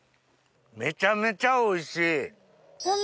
めちゃめちゃおいしい！